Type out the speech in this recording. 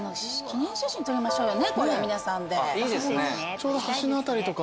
ちょうど橋の辺りとか。